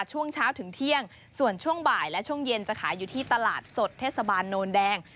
ช่วงเช้าถึงเที่ยงส่วนช่วงบ่ายและช่วงเย็นจะขายอยู่ที่ตลาดสดเทศบาลโนนแดง